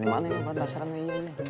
apa dasarnya ya